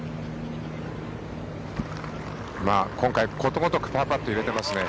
今回、ことごとくパーパットを入れてますね